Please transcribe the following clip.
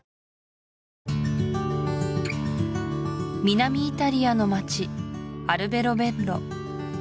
南イタリアの町アルベロベッロ